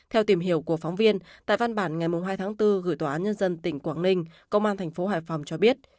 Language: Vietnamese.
theo tìm hiểu của phóng viên tại văn bản ngày hai tháng bốn gửi tòa án nhân dân tỉnh quảng ninh công an thành phố hải phòng cho biết